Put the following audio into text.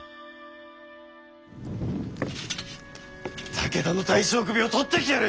武田の大将首を取ってきてやる！